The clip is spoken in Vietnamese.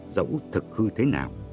dẫu thật hư thế nào